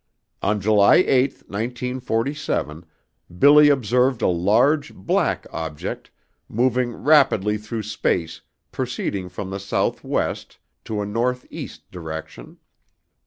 On July 8, 1947 BILLY observed a large, black object moving rapidly through space proceeding from the southwest to a northeast direction.